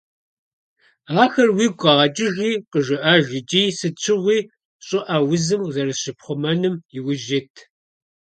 Ахэр уигу къэгъэкӀыжи къыжыӀэж икӀи сыт щыгъуи щӀыӀэ узым зэрызыщыпхъумэнум иужь ит.